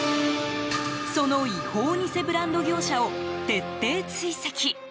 その違法偽ブランド業者を徹底追跡。